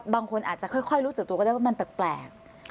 บางคนอาจจะค่อยรู้สึกตัวก็ได้ว่ามันแปลก